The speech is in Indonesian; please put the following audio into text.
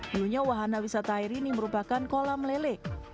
dulunya wahana wisata air ini merupakan kolam lele